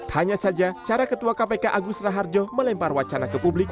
hanya saja cara ketua kpk agus raharjo melempar wacana ke publik